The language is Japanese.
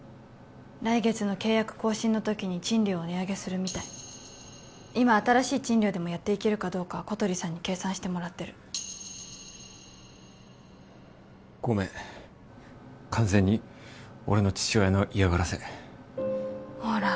来月の契約更新の時に賃料を値上げするみたい今新しい賃料でもやっていけるかどうか小鳥さんに計算してもらってるごめん完全に俺の父親のいやがらせほら